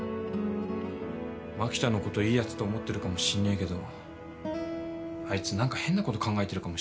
蒔田のこといいやつと思ってるかもしんねえけどあいつ何か変なこと考えてるかもしんねえし。